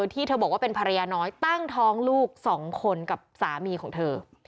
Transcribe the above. ที่เธอบอกว่าเป็นภรรยาน้อยตั้งท้องลูก๒คนกับสามีของเธอ